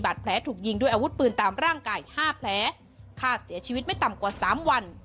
แผลถูกยิงด้วยอาวุธปืนตามร่างกาย๕แผลฆ่าเสียชีวิตไม่ต่ำกว่าสามวัน